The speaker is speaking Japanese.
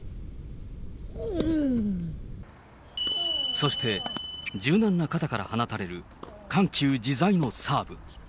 そして、柔軟な肩から放たれる緩急自在のサーブ。